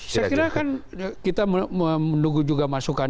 saya kira kan kita menunggu juga masukan